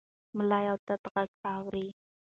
ملا یو تت غږ اوري.